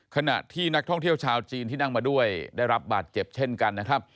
ขณะที่นักท่องเที่ยวชาวจีนที่นั่งมาด้วยได้รับบาดเจ็บเช่นกันนะครับ